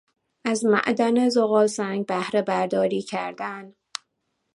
از معدن زغالسنگ بهرهبرداری کردن